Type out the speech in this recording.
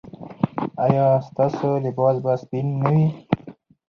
ایا ستاسو لباس به سپین نه وي؟